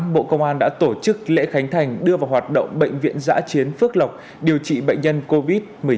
bộ công an đã tổ chức lễ khánh thành đưa vào hoạt động bệnh viện giã chiến phước lộc điều trị bệnh nhân covid một mươi chín